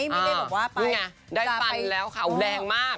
ไม่ได้บอกว่าไปอยู่ไงได้ฟันแล้วแดงมาก